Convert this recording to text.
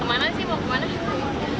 kemana sih mau kemana